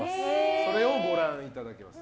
それをご覧いただけます。